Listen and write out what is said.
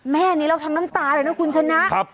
แม่นี้เราทั้งน้ำตาเลยนะคุณชนะ